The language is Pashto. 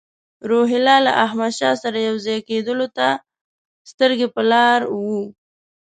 روهیله له احمدشاه سره یو ځای کېدلو ته سترګې په لار وو.